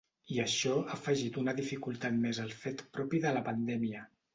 I això ha afegit una dificultat més al fet propi de la Pandèmia.